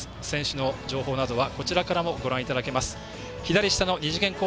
選手の情報などはこちらからもご覧いただけます。